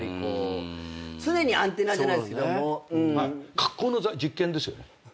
格好の実験ですよね。